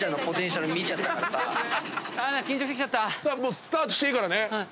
スタートしていいからね。